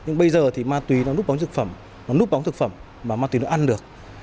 nhưng bây giờ thì ma túy nó núp bóng dược phẩm nó núp bóng thực phẩm mà ma túy nó ăn được